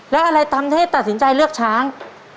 แล้วอะไรทำให้ตัดสินใจเลือกช้าง